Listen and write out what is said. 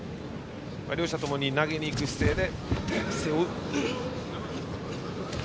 両者ともに投げに行く姿勢で。